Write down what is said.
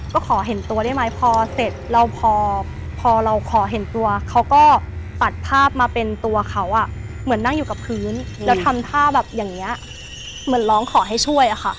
ก็ขอเห็นตัวได้ไหมพอเสร็จเราพอเราขอเห็นตัวเขาก็ปัดภาพมาเป็นตัวเขาเหมือนนั่งอยู่กับพื้นแล้วทำท่าแบบอย่างนี้เหมือนร้องขอให้ช่วยอะค่ะ